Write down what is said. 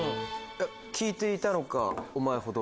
「聞いていたのかおまえほど」。